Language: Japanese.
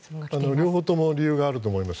両方とも理由があると思います。